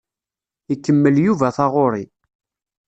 Ikemmel Yuba taɣuṛi.